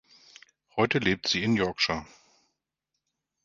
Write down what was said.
Heute lebt sie in Yorkshire.